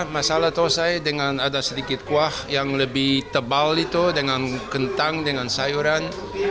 masalah tosai dengan ada sedikit kuah yang lebih tebal itu dengan kentang dengan sayuran